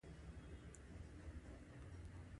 درجه حرارت په سانتي ګراد سره څرګندېږي.